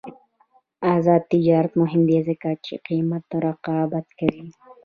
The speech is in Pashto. آزاد تجارت مهم دی ځکه چې قیمت رقابت کوي.